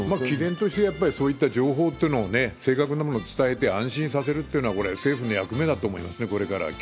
きぜんとして、やっぱりそういった情報っていうのをね、正確なものを伝えて安心させるっていうのが政府の役目だと思いますね、これから。